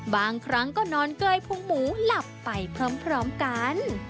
บางครั้งก็นอนเกยพุงหมูหลับไปพร้อมกัน